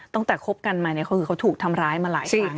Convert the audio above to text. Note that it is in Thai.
ตั้งแต่คบกันมาเนี่ยเขาถูกทำร้ายมาหลายครั้ง